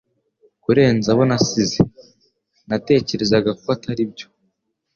Kurenza abo nasize. Natekerezaga ko atari byo.